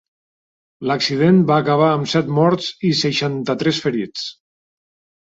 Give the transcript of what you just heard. L'accident va acabar amb set morts i seixanta-tres ferits.